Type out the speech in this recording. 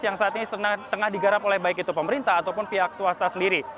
yang saat ini tengah digarap oleh baik itu pemerintah ataupun pihak swasta sendiri